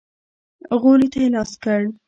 غولي ته يې لاس کړ.